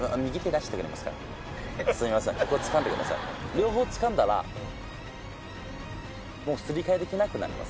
両方つかんだらもうすり替えできなくなります。